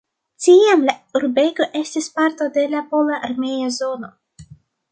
Tiam la urbego estis parto de la pola armea zono.